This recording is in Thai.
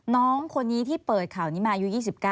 น้องคนนี้ที่เปิดข่าวนี้มาอายุ๒๙